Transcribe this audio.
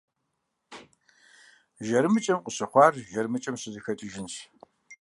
ЖармыкӀэм къыщыхъуар жармыкӀэм щызэхэкӀыжынщ.